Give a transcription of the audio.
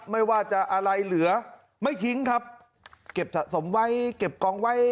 ไม่ว่าจะอะไรเหลือไม่ทิ้งครับเก็บสะสมไว้เก็บกองไว้